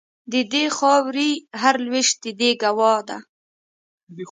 د دې خاوري هر لوېشت د دې ګوا ده